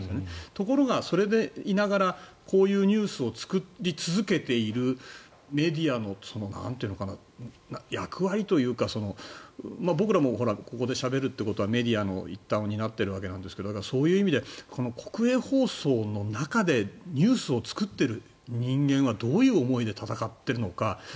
ところがそれでいながらこういうニュースを作り続けているメディアの役割というか僕らもここでしゃべるということはメディアの一端を担っているわけなんですけどそういう意味で国営放送の中でニュースを作っている人間はどういう思いで戦っているのか。